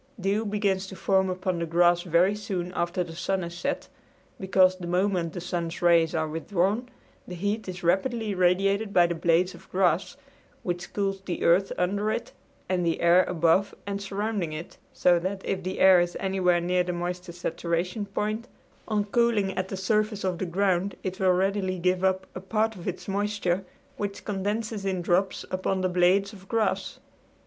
Dew begins to form upon the grass very soon after the sun is set because the moment the sun's rays are withdrawn the heat is rapidly radiated by the blades of grass, which cools the earth under it and the air above and surrounding it, so that if the air is anywhere near the moisture saturation point on cooling at the surface of the ground it will readily give up a part of its moisture, which condenses in drops upon the blades of grass.